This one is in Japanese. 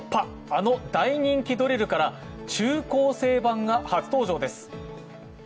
あの大人気ドリルから中高生版が初登場です。